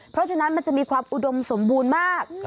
เพราะฉะนั้นมันจะมีความอุดมสมบูรณ์มาก